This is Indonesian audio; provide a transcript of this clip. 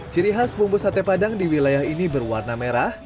ciri khas bumbu sate padang di wilayah ini berwarna merah